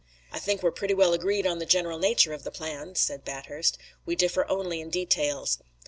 "I think we're pretty well agreed on the general nature of the plan," said Bathurst. "We differ only in details."